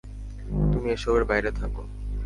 তুমি এসবের বাইরে থাকো!